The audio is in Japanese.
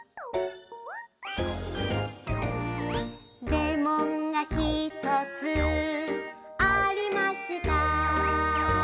「レモンがひとつありました」